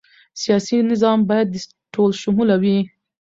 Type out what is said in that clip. سیاسي نظام باید ټولشموله وي